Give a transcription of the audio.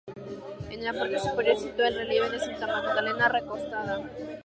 En la parte superior se sitúa el relieve de Santa Magdalena recostada.